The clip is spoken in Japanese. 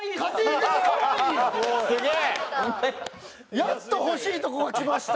やっと欲しいとこがきました。